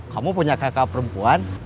kamu punya kakak perempuan